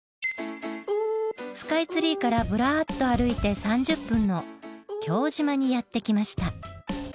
スカイツリーからブラッと歩いて３０分の京島にやって来ました。